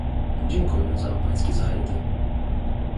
Dziękuję za pańskie zachęty